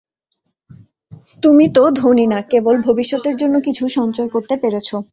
তুমি তো ধনী না, কেবল ভবিষ্যতের জন্য কিছু সঞ্চয় করতে পেরেছ।